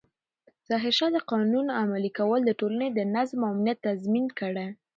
ظاهرشاه د قانون عملي کول د ټولنې د نظم او امنیت تضمین ګڼل.